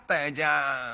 あ